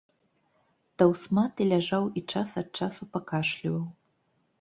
Таўсматы ляжаў і час ад часу пакашліваў.